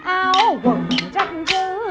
áo quần rách dứ